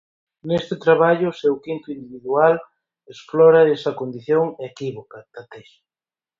Neste traballo, o seu quinto individual, explora esa condición equívoca, tatexa.